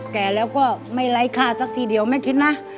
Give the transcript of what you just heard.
แก่แล้วก็ไม่ไร้ค่าสักทีเดียวแม่คิดนะ